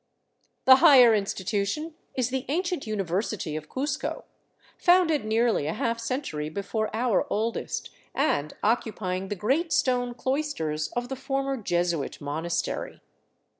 The higher institution is the ancient University of Cuzco, founded nearly a half century before our oldest, and occupying the great stone cloisters of the former Jesuit monastery.